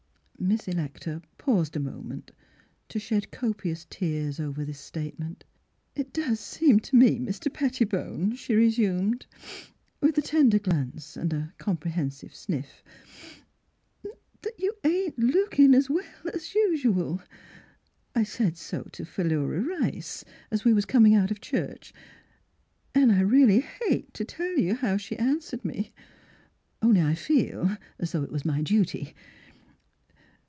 " Miss Electa paused a moment to shed copious tears over this statement. " It does seem to me, dear Mr. Pettibone," she resumed, with a tender glance and a compre hensive sniff, *'that you ain't 72 Miss Philura looking as well as usual. I said so to Philura Rice as we was coming out of church, and I really hate to tell you how she answered me; only I feel as though it was my duty.